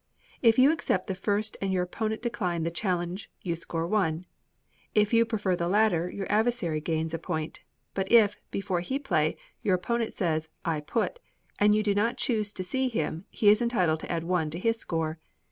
If you accept the first and your opponent decline the challenge, you score one; if you prefer the latter, your adversary gains a point; but if, before he play, your opponent says, "I put," and you do not choose to see him, he is entitled to add one to his score.